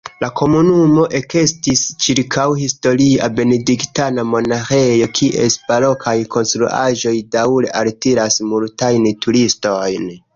La komunumo ekestis ĉirkaŭ historia benediktana monaĥejo, kies barokaj konstruaĵoj daŭre altiras multajn turistojn.